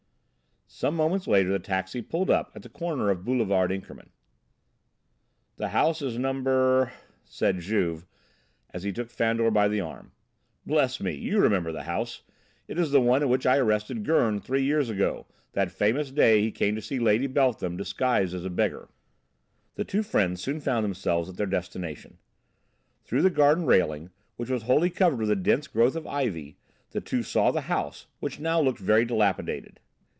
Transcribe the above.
Some moments later the taxi pulled up at the corner of Boulevard Inkermann. "The house is number " said Juve as he took Fandor by the arm. "Bless me, you remember the house! It is the one in which I arrested Gurn three years ago; that famous day he came to see Lady Beltham, disguised as a beggar." The two friends soon found themselves at their destination. Through the garden railing, which was wholly covered with a dense growth of ivy, the two saw the house, which now looked very dilapidated.